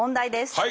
はい！